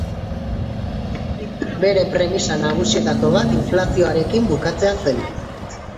Bere premisa nagusietako bat inflazioarekin bukatzea zen.